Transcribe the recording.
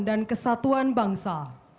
dan kesatuan bangsa